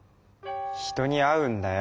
人に会うんだよ！